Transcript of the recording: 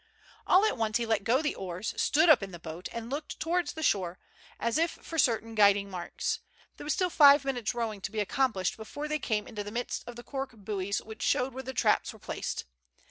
All at once he let go the oars, stood up in the boat, and looked towards the shore, as if for certain guiding marks ; there was still five minutes' rowing to be accom plished before they came into the midst of the cork buoys which showed where the traps were placed.